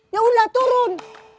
ya udah turun